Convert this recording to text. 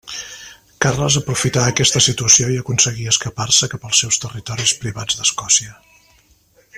Carles aprofità aquesta situació i aconseguí escapar-se cap als seus territoris privats d'Escòcia.